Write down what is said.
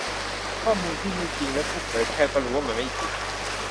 ข้อมูลที่ไม่จริง และผู้เผยแพร่ก็รู้ว่ามันไม่จริง